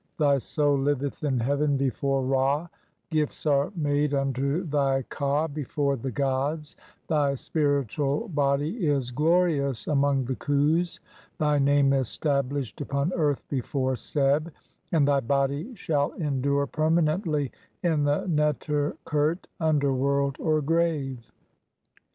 Thy soul liveth in heaven "before Ra, gifts are made unto thy ka before the "gods, thy spiritual body is glorious among the Khus, "thy name is stablished upon earth before Seb, and "thy body shall endure permanently in the Neter "khert (underworld or grave).